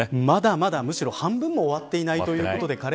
まだまだ、むしろ半分も終わっていないということです。